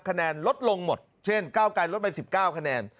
คะแนนลดลงหมดเช่นก้าวไกรลดไป๑๙คะแนน